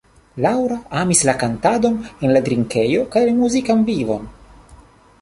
Laura amis la kantadon en drinkejo kaj la muzikan vivon.